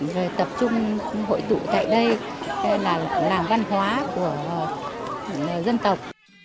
rồi tập trung hội tụ tại đây là làng văn hóa của dân tộc